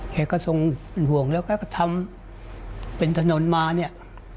แกก็ทรงเป็นห่วงแล้วก็ทำเป็นถนนมาเนี่ย